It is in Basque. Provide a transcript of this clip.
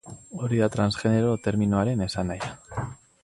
Hori da transgenero terminoaren esanahia.